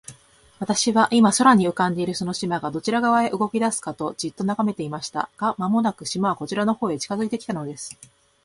私は、今、空に浮んでいるその島が、どちら側へ動きだすかと、じっと眺めていました。が、間もなく、島はこちらの方へ近づいて来たのです。